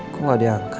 kok gak diangkat ya